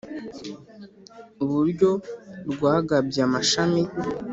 uburyo rwagabye amashami